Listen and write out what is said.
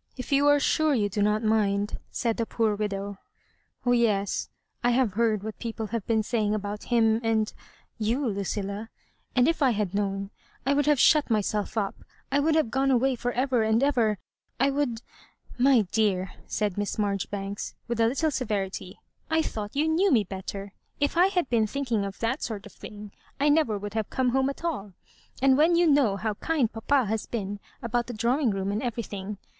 " If you are sure you do not mind," said the poor widow. "Oh, yes, I have heard what people have been saying about him and — and you, Lucilla ; and if I had known, I would have shut myself up, I would have gone away for ever and ever — ^I would ^^" My dear," said Miss Marjoribanks, with a little severity, *' I thought you knew me better. If I had been thinking of that sort of thing, I never would have come home at all ; and when you know how kind papa has been about the drawing room and everything.